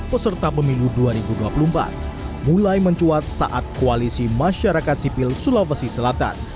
peserta pemilu dua ribu dua puluh empat mulai mencuat saat koalisi masyarakat sipil sulawesi selatan